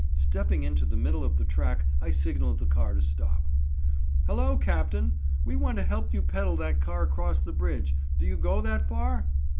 Stepping into the middle of the track I signalled the car to stop. "Hello, captain! we want to help you peddle that car across the bridge. Do you go that far?"